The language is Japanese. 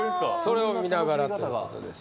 それを見ながらということです